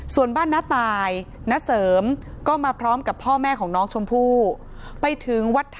ส่วนบ้านหน้าตายหน้าเสิร์มก็มาพร้อมกับพ่อแม่ของน้องชมพู